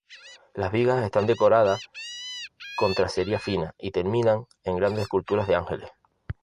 Las vigas están decoradas con tracería fina y terminan en grandes esculturas de ángeles.